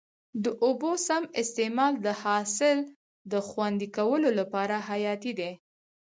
د اوبو سم استعمال د حاصل د خوندي کولو لپاره حیاتي دی.